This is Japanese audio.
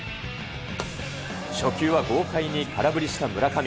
初球は豪快に空振りした村上。